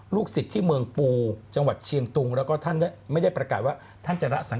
ลูกศิษย์ที่เมืองปูจังหวัดเชียงตุงแล้วก็ท่านไม่ได้ประกาศว่า